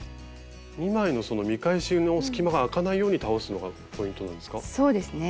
２枚のその見返しの隙間があかないように倒すのがポイントなんですか？